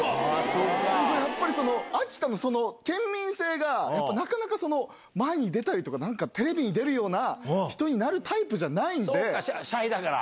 やっぱり秋田の県民性がなかなか前に出たりとか、なんかテレビに出るような人になるタイプじそっか、シャイだから。